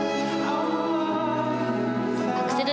アクセル